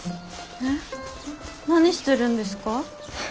えっ何してるんですか？